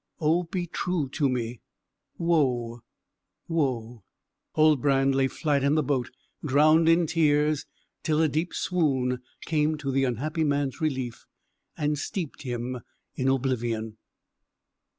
Oh be true to me! woe, woe!" Huldbrand lay flat in the boat, drowned in tears, till a deep swoon came to the unhappy man's relief, and steeped him in oblivion.